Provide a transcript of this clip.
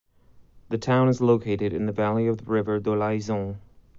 The town is located in the valley of the river Dolaizon.